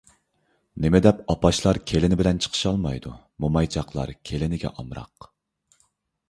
نېمىدەپ ئاپاشلار كېلىنى بىلەن چىقىشالمايدۇ؟ مومايچاقلار كېلىنگە ئامراق؟